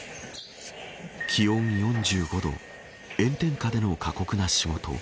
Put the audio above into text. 気温４５度炎天下での過酷な仕事。